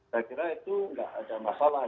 saya kira itu nggak ada masalah